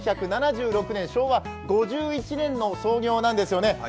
１９７６年、昭和５１年の創業なんですよね。